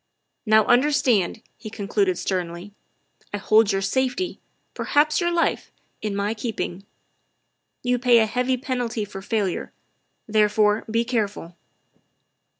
" Now understand," he concluded sternly, " I hold your safety, perhaps your life, in my keeping. You pay a heavy penalty for failure, therefore be careful.